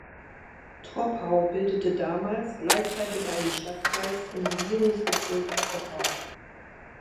Troppau bildete damals gleichzeitig einen Stadtkreis im Regierungsbezirk Troppau.